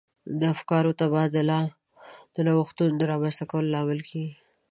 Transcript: د افکارو تبادله د نوښتونو د رامنځته کولو لامل کیږي.